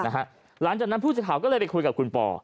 หลังจากนั้นผู้สื่อข่าวก็เลยไปคุยกับคุณปอ